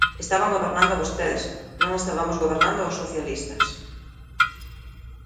Estaban gobernando vostedes, non estabamos gobernando os socialistas.